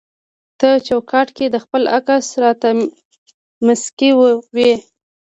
ته چوکاټ کي د خپل عکس راته مسکی وي